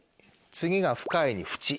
次が「深い」に「淵」。